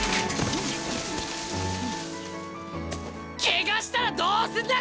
ケガしたらどうすんだ！